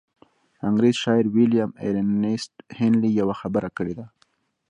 انګرېز شاعر ويليام ايرنيسټ هينلي يوه خبره کړې ده.